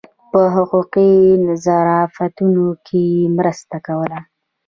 په حقوقي ظرافتونو کې یې مرسته کوله.